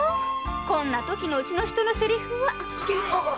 こんなときのうちの人のせりふは。